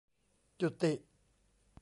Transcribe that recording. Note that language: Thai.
'จุติ'